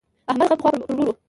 احمد غم پخوا پر ورور وو.